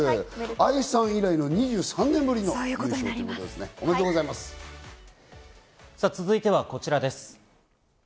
愛さん以来の２３年ぶりのということで続いては、こちらです。